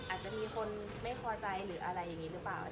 อาจจะมีคนไม่พอใจหรืออะไรอย่างนี้หรือเปล่า